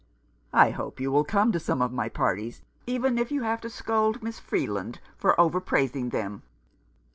" I hope you will come to some of my parties, even if you have to scold Miss Freeland for over praising them."